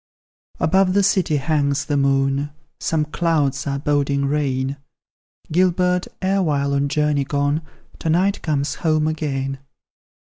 Above the city hangs the moon, Some clouds are boding rain; Gilbert, erewhile on journey gone, To night comes home again.